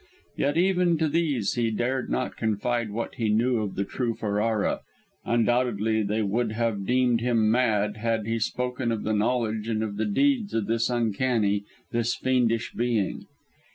Yet even to these he dared not confide what he knew of the true Ferrara; undoubtedly they would have deemed him mad had he spoken of the knowledge and of the deeds of this uncanny, this fiendish being.